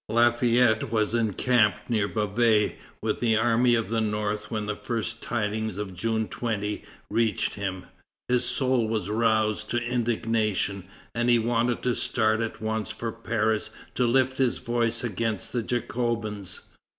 Lafayette was encamped near Bavay with the Army of the North when the first tidings of June 20 reached him. His soul was roused to indignation, and he wanted to start at once for Paris to lift his voice against the Jacobins.